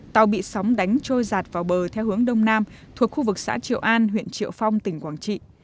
tàu bị sóng đánh trôi giạt vào bờ theo hướng đông nam thuộc khu vực xã triệu an huyện triệu phong tỉnh quảng trị